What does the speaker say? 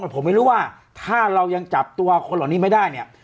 ผมไม่รู้ว่าถ้าเรายังจับตัวคนเหล่านี้ไม่ได้เนี่ย